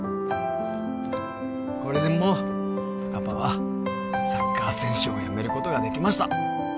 これでもうパパはサッカー選手をやめることができました